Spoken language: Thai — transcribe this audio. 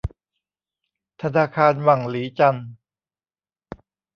ธนาคารหวั่งหลีจัน